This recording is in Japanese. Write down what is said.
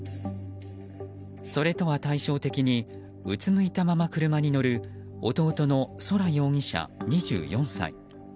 それとは対照的にうつむいたまま車に乗る弟の宇宙容疑者、２４歳。